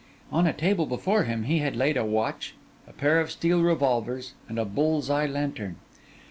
On a table before him he had laid a watch, a pair of steel revolvers, and a bull's eye lantern.